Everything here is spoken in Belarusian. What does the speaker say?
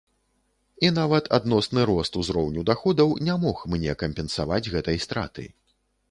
І нават адносны рост узроўню даходаў не мог мне кампенсаваць гэтай страты.